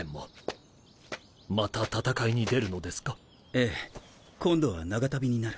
ええ今度は長旅になる。